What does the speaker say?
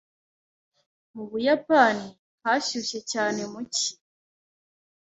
Mu Buyapani, hashyushye cyane mu cyi.